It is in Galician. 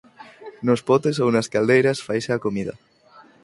Nos potes ou nas caldeiras faise a comida.